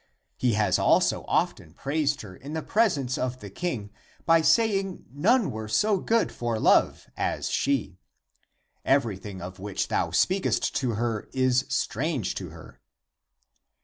He has also often praised her in the presence of the king by saying none were so good for love as she. [Everything of which thou speakest to her is strange to her."